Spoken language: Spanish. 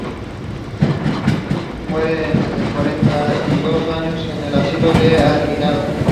Muere a los cuarenta y dos años en un asilo de alienados.